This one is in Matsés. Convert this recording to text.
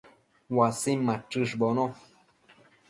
uasin machëshbono